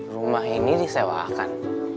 rumah ini disewakan